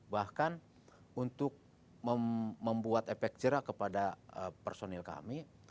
bahkan untuk membuat efek jerak kepada personil kami